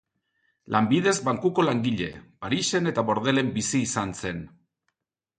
Lanbidez bankuko langile, Parisen eta Bordelen bizi izan zen.